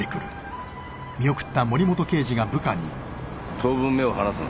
当分目を離すな。